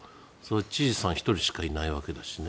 知事さん１人しかいないわけだしね。